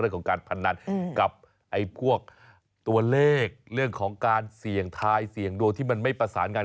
เอาอะไรอยากรู้กฎหมายสบายใจเราด้วย